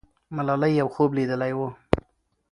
ملالۍ یو خوب لیدلی وو.